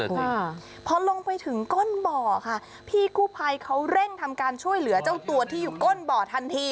ค่ะพอลงไปถึงก้นบ่อค่ะพี่กู้ภัยเขาเร่งทำการช่วยเหลือเจ้าตัวที่อยู่ก้นบ่อทันที